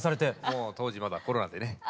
もう当時まだコロナでね。